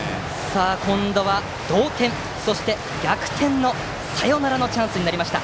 今度は同点そして逆転サヨナラのチャンスになりました。